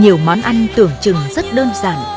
nhiều món ăn tưởng chừng rất đơn giản